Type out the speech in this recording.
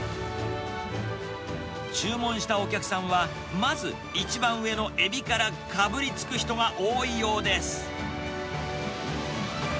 注文したお客さんは、まず一番上のエビからかぶりつく人が多いようです。